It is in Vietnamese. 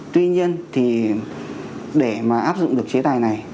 tuy nhiên thì để mà áp dụng được chế tài này